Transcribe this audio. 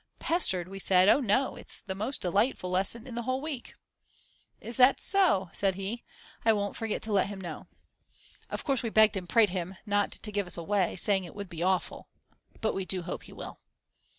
"Pestered" we said, o no, it's the most delightful lesson in the whole week. "Is that so?" said he, "I won't forget to let him know." Of course we begged and prayed him not to give us away, saying it would be awful. But we do hope he will.